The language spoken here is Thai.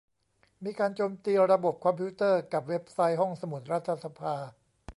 มีการโจมตีระบบคอมพิวเตอร์กับเว็บไซต์ห้องสมุดรัฐสภา